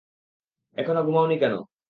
এখনো ঘুমাওনি কেন?